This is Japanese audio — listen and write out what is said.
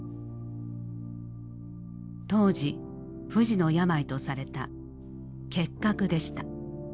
当時不治の病とされた結核でした。